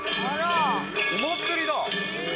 お祭りだ。